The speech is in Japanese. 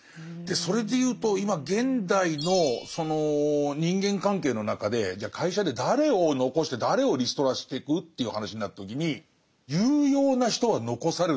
それで言うと今現代のその人間関係の中でじゃあ会社で誰を残して誰をリストラしてく？という話になった時に有用な人は残されると思うんですよ。